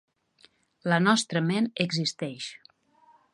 La nostra ment existeix.